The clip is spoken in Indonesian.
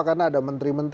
karena ada menteri menteri